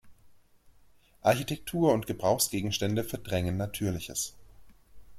Architektur und Gebrauchsgegenstände verdrängen Natürliches.